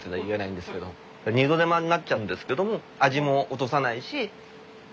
二度手間になっちゃうんですけども味も落とさないし。